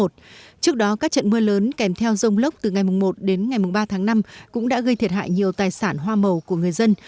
trước đó các trận mưa lớn kèm theo rông lốc từ ngày một đến ngày ba tháng năm cũng đã gây thiệt hại nhiều tài sản hoa màu của người dân